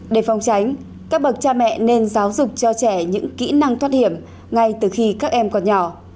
để phòng tránh các bậc cha mẹ nên giáo dục cho trẻ những kỹ năng thoát hiểm ngay từ khi các em còn nhỏ